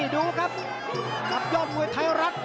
ดูครับกับยอมเวียนไทรรักษ์